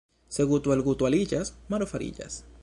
Se guto al guto aliĝas, maro fariĝas.